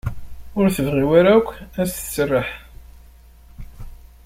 Ur tebɣi ara akk ad as-tesserreḥ.